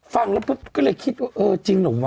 ฟังแล้วก็เลยคิดว่าจริงเหรอมะ